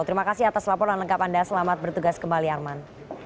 terima kasih atas laporan lengkap anda selamat bertugas kembali arman